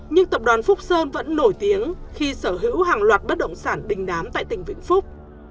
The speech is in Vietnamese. nhưng tập đoàn phúc sơn vẫn nổi tiếng khi sở hữu hàng loạt bất động sản đình đám tại tỉnh vĩnh phúc